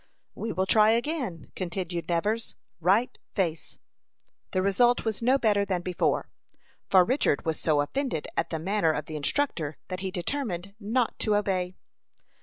"We will try again," continued Nevers. "Right face." The result was no better than before; for Richard was so offended at the manner of the instructor that he determined not to obey.